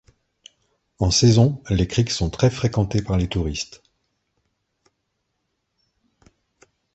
En saison, les criques sont très fréquentées par les touristes.